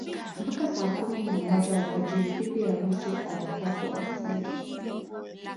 Mpaka saa kumi na moja alfajiri bibi harusi atakapowasili